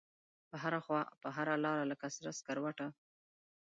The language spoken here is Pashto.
په هره خواپه هره لاره لکه سره سکروټه